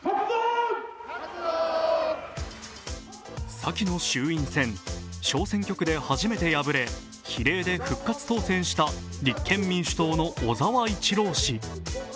先の衆院選、小選挙区で初めて敗れ比例で復活当選した立憲民主党の小沢一郎氏。